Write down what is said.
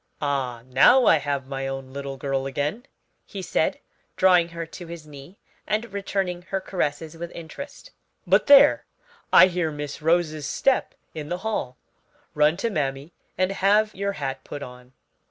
"Ah, now I have my own little girl again," he said, drawing her to his knee and returning her caresses with interest: "But there, I hear Miss Rose's step in the hall. Run to mammy and have your hat put on."